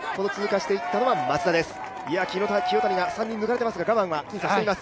清谷が３人抜かれていますが、我慢はしています。